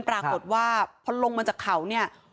ปรากฏว่าพอลงมาจากเขาเนี่ย